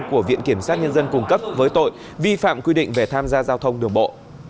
của viện kiểm sát nhân dân cung cấp với tội vi phạm quy định về tham gia giao thông đường bộ